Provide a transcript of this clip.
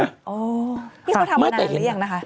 นี่เขาทำมานานหรือยังนะคะ